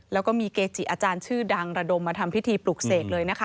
แล้วก็มีเกจิอาจารย์ชื่อดังระดมมาทำพิธีปลุกเสกเลยนะคะ